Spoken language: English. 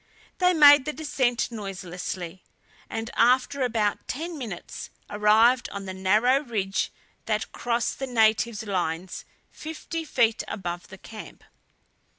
They made the descent noiselessly, and after about ten minutes, arrived on the narrow ridge that crossed the native lines, fifty feet above the camp.